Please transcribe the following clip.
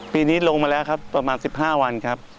ปีนี้ลงมาแล้วครับประมาณ๑๕วันครับ